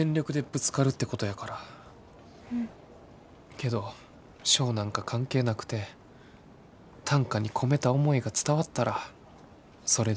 けど賞なんか関係なくて短歌に込めた思いが伝わったらそれでええんやな。